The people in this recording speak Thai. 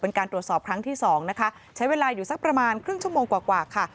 เป็นการตรวจสอบครั้งที่สองนะคะใช้เวลาอยู่สักประมาณครึ่งชั่วโมงกว่ากว่าค่ะ